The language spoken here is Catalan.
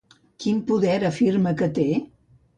Quin poder afirma que té?